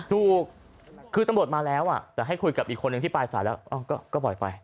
ถูกคือตำรวจมาแล้วแต่ให้คุยกับอีกคนนึงที่ปลายสายแล้วก็ปล่อยไป